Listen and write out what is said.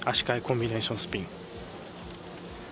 換えコンビネーションスピン。